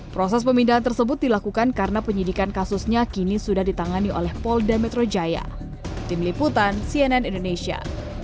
proses pemindahan tersebut dilakukan karena penyidikan kasusnya kini sudah ditangani oleh polda metro jaya